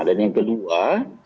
dan yang kedua